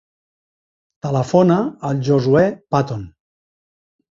Telefona al Josuè Paton.